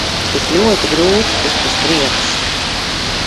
Tik ļoti grūti tikt uz priekšu.